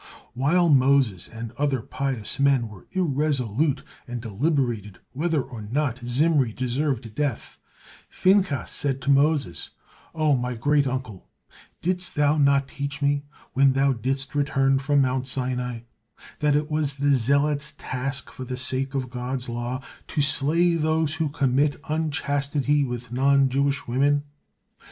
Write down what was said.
While Moses and other pious men were irresolute and deliberated whether or not Zimri deserved death, Phinehas said to Moses: "O my great uncle, didst thou not teach me, when thou didst return from Mount Sinai, that is was the zealot's task for the sake of God's law to slay those who commit unchastity with non Jewish women?"